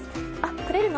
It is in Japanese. くれるの？